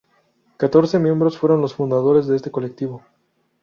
Catorce miembros fueron los fundadores de este colectivo.